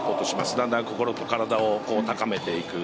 だんだん心と体を高めていく。